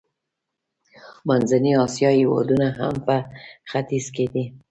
منځنۍ اسیا هېوادونه هم په ختیځ کې دي.